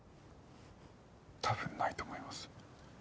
多分ないと思います。